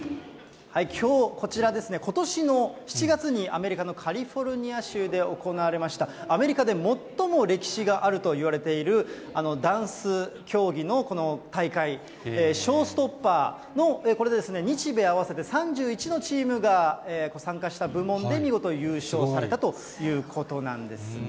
こちらですね、ことしの７月に、アメリカのカリフォルニア州で行われました、アメリカで最も歴史があるといわれているダンス競技のこの大会、ショーストッパーの、これ、日米合わせて３１のチームが参加した部門で見事優勝されたということなんですね。